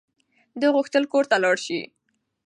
ده غوښتل کور ته ولاړ شي.